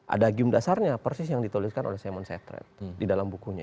ada game dasarnya persis yang dituliskan oleh simon setret di dalam bukunya